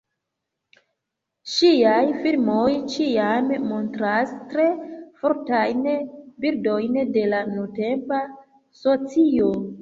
Ŝiaj filmoj ĉiam montras tre fortajn bildojn de la nuntempa socio.